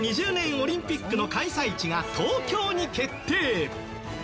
オリンピックの開催地が東京に決定。